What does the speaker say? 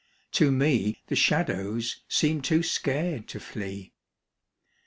To me The shadows seem too scared to flee.